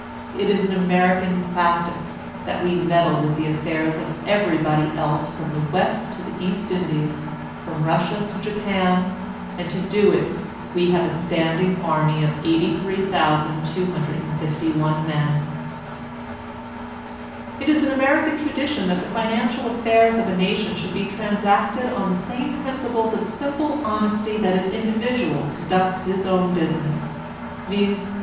It is American practice that we meddle with the affairs of everybody else from the West to the East Indies, from Russia to Japan; and to do it we have a standing anny of 83,251 men. It is American tradition that the financial affairs of a nation should be transacted on the same principles of 8inq>le honesty that an individual conducts his own busi ness; viz.